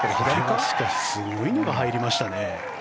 しかしすごいのが入りましたね。